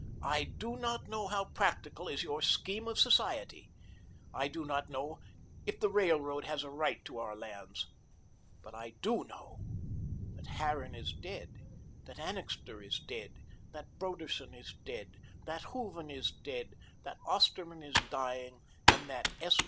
I do not know how practical is your scheme of society. I do not know if the Railroad has a right to our lands, but I DO know that Harran is dead, that Annixter is dead, that Broderson is dead, that Hooven is dead, that Osterman is dying, and that S.